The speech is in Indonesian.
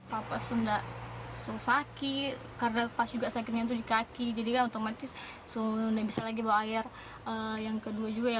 papa sudah sakit karena pas juga sakitnya di kaki jadi otomatis sudah bisa lagi bawa air yang kedua juga